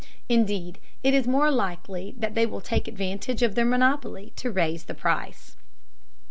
Indeed it is more likely that they will take advantage of their monopoly to raise the price.